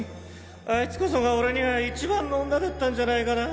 あいつこそが俺には一番の女だったんじゃないかな。